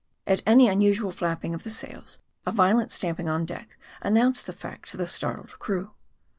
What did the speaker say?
At any unusual flapping of the sails, a violent stamping on deck announced the fact to the startled crew.